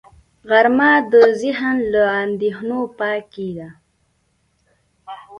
غرمه د ذهن له اندېښنو پاکي ده